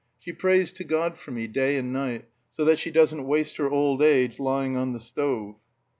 She prays to God for me, day and night, so that she doesn't waste her old age lying on the stove."